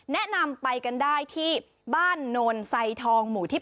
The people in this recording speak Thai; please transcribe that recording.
แนะนำไปกันได้ที่บ้านโนนไซทองหมู่ที่๘